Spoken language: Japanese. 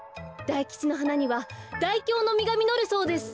大吉の花には大凶のみがみのるそうです。